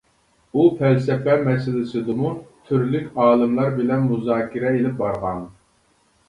ئۇ پەلسەپە مەسىلىسىدىمۇ تۈرلۈك ئالىملار بىلەن مۇزاكىرە ئېلىپ بارغان.